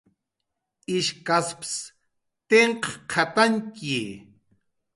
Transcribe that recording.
ishkaspsa tinkqhatantyi